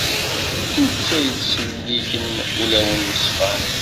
Netta yettselliken ulawen yeṣfan.